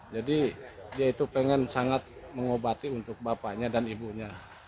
jadi dia itu pengen sangat mengobati untuk bapaknya dan ibunya